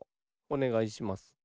おねがいします。